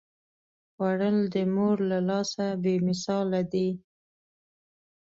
خوړل د مور له لاسه بې مثاله دي